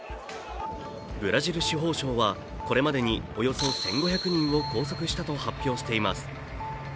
ブラジル司法省はこれまでにおよそ１５００人を拘束したと発表しています。